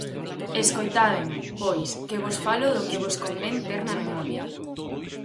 Escoitádeme, pois, que vos falo do que vos convén ter na memoria.